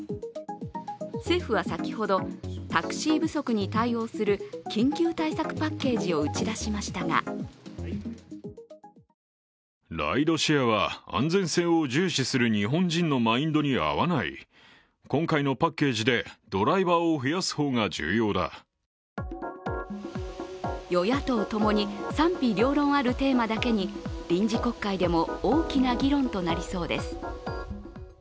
政府は先ほど、タクシー不足に対応する緊急対策パッケージを打ち出しましたが与野党ともに賛否両論あるテーマだけに臨時国会でも大きな議論となりそうです。